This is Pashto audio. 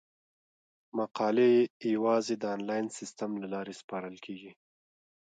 مقالې یوازې د انلاین سیستم له لارې سپارل کیږي.